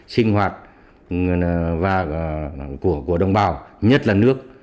sinh hoạt của đồng bào nhất là nước